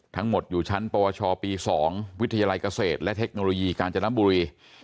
ทั้งหมดอยู่ชั้นปวชปี๒วิทยาลัยเกษตรและเทคโนโลยีกาญจนบุรี